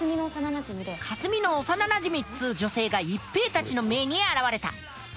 かすみの幼なじみっつう女性が一平たちの前に現れた。